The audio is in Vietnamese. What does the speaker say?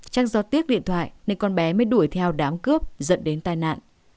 trang do tiếc điện thoại nên con bé mới đuổi theo đám cướp dẫn đến tai nạn